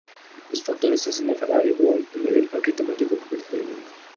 Estos factores hacen de Ferrari World el mayor parque temático cubierto del mundo.